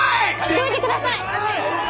どいてください！